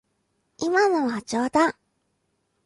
今のは冗談。